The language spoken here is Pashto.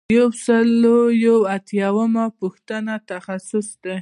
یو سل او یو اتیایمه پوښتنه تخصیص دی.